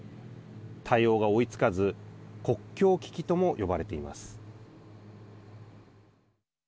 対応が追いつかず国境危機とも呼ばれています。